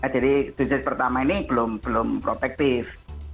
jadi dosis pertama ini belum protektif